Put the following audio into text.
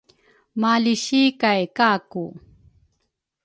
malisi kay Kaku.